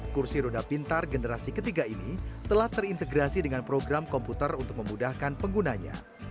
kursi roda pintar generasi ketiga ini telah terintegrasi dengan program komputer untuk memudahkan penggunanya